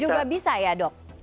juga bisa ya dok